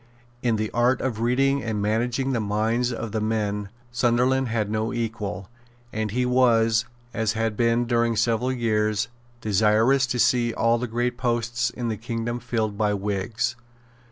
In the art of reading and managing the minds of men Sunderland had no equal; and he was, as he had been during several years, desirous to see all the great posts in the kingdom filled by Whigs.